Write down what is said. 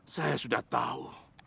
saya sudah tahu